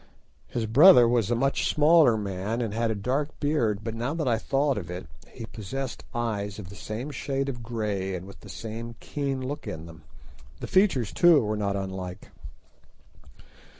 His brother was a much smaller man and had a dark beard, but now that I thought of it, he possessed eyes of the same shade of grey and with the same keen look in them: the features too were not unlike.